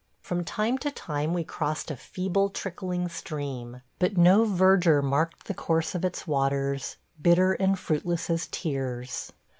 From time to time we crossed a feeble, trickling stream; but no verdure marked the course of its waters bitter and fruitless as tears.